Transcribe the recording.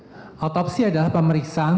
an otopsi adalah pemeriksaan